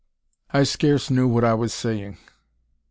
I scarce knew what I was saying.